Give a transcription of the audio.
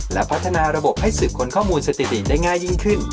และพัฒนาระบบให้สืบค้นข้อมูลสถิติได้ง่ายยิ่งขึ้น